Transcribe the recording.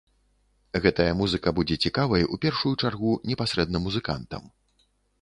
Гэтая музыка будзе цікавай, у першую чаргу, непасрэдна музыкантам.